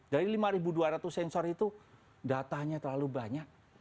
dari lima dua ratus sensor itu datanya terlalu banyak